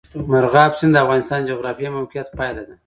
مورغاب سیند د افغانستان د جغرافیایي موقیعت پایله ده.